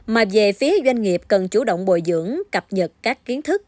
mà về phía doanh nghiệp cần chủ động bồi dưỡng cập nhật các kiến thức